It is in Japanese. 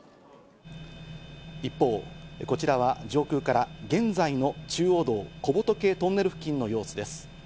一方、こちらは上空から現在の中央道・小仏トンネル付近の様子です。